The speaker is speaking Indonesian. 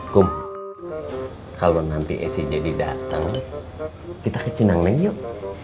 kum kalau nanti ac jadi datang kita ke cinang neng yuk